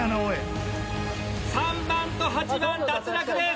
３番と８番脱落です！